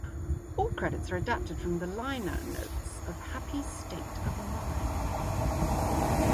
All credits are adapted from the liner notes of "Happy State of Mind".